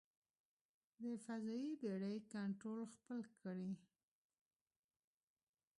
د فضايي بېړۍ کنټرول خپل کړي.